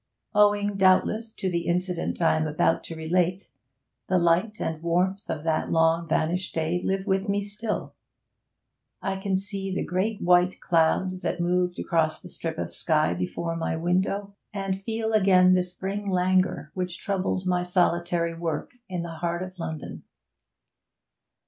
Owing, doubtless, to the incident I am about to relate, the light and warmth of that long vanished day live with me still; I can see the great white clouds that moved across the strip of sky before my window, and feel again the spring languor which troubled my solitary work in the heart of London.